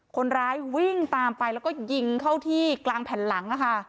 คนร้ายวิ่งตามไปแล้วก็ยิงเข้าที่กลางแผ่นหลัง